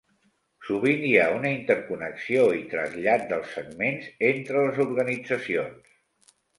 Sovint hi ha una interconnexió i trasllat dels segments entre les organitzacions.